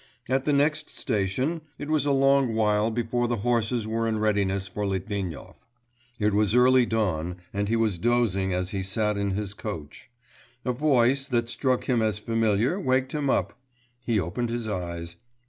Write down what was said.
At the next station it was a long while before the horses were in readiness for Litvinov; it was early dawn, and he was dozing as he sat in his coach. A voice, that struck him as familiar, waked him up; he opened his eyes....